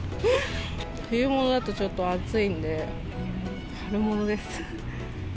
冬物だとちょっと暑いんで、春物です。